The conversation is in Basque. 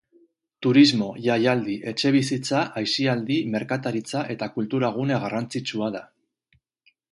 Turismo, jaialdi, etxebizitza, aisialdi, merkataritza eta kultura gune garrantzitsua da.